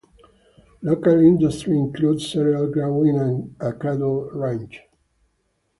Local industry includes cereal growing and a cattle ranch.